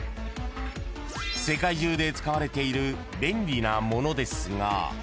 ［世界中で使われている便利なものですが］